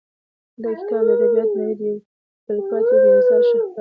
دا کتاب د ادبیاتو د نړۍ یو تلپاتې او بې مثاله شاهکار دی.